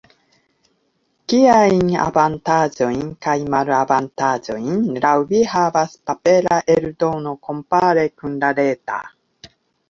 Kiajn avantaĝojn kaj malavantaĝojn laŭ vi havas papera eldono, kompare kun la reta?